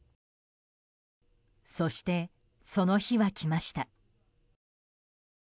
そして、その日は来ました。